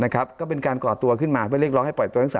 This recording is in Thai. ก็เป็นการก่อตัวขึ้นมาเพื่อเรียกร้องให้ปล่อยตัวทั้ง๓